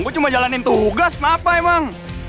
gue cuma jalanin tugas apa emang